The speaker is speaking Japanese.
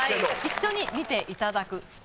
一緒に見ていただく。